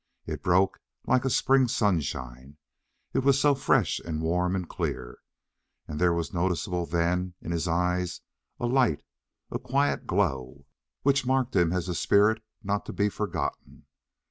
It broke like spring sunshine, it was so fresh and warm and clear. And there was noticeable then in his eyes a light, a quiet glow, which marked him as a spirit not to be forgotten.